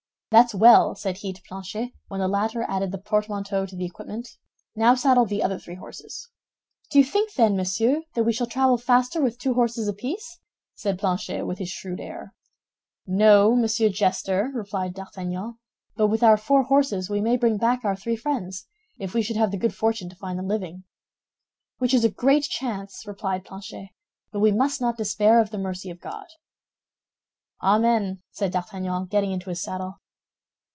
"That's well," said he to Planchet, when the latter added the portmanteau to the equipment. "Now saddle the other three horses." "Do you think, then, monsieur, that we shall travel faster with two horses apiece?" said Planchet, with his shrewd air. "No, Monsieur Jester," replied D'Artagnan; "but with our four horses we may bring back our three friends, if we should have the good fortune to find them living." "Which is a great chance," replied Planchet, "but we must not despair of the mercy of God." "Amen!" said D'Artagnan, getting into his saddle.